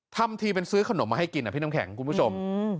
ทำทีเป็นซื้อขนมมาให้กินนะพี่น้ำแข็งคุณผู้ชม